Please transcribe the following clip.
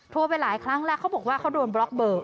ไปหลายครั้งแล้วเขาบอกว่าเขาโดนบล็อกเบอร์